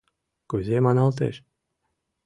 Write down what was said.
— Кузе маналтеш?